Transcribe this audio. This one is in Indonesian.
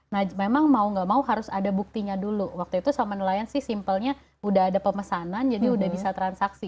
nah memang mau gak mau harus ada buktinya dulu waktu itu sama nelayan sih simpelnya udah ada pemesanan jadi udah bisa transaksi